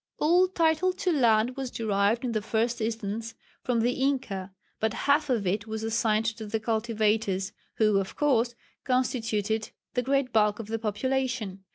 All title to land was derived in the first instance from the Inca, but half of it was assigned to the cultivators, who of course constituted the great bulk of the population.